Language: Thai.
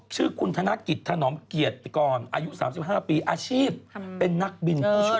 ชื่อคุณธนกิจถนอมเกียรติกรอายุ๓๕ปีอาชีพเป็นนักบินผู้ช่วย